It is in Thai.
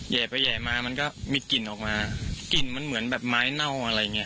ไปแห่มามันก็มีกลิ่นออกมากลิ่นมันเหมือนแบบไม้เน่าอะไรอย่างเงี้